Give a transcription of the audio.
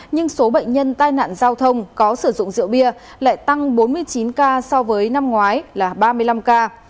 nhưng số bệnh nhân tai nạn giao thông có sử dụng rượu bia lại tăng bốn mươi chín ca so với năm ngoái là ba mươi năm ca